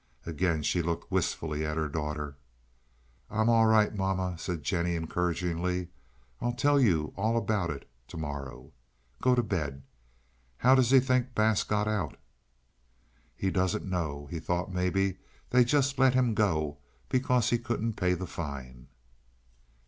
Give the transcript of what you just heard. Again she looked wistfully at her daughter. "I'm all right, mamma," said Jennie encouragingly. "I'll tell you all about it to morrow. Go to bed. How does he think Bass got out?" "He doesn't know. He thought maybe they just let him go because he couldn't pay the fine."